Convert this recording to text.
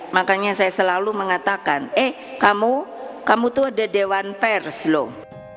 makanya saya selalu mengatakan eh kamu kamu tuh ada dewan pers loh